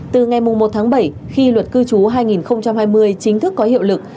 từ ngày một tháng bảy khi luật cư trú hai nghìn hai mươi chính thức có hiệu lực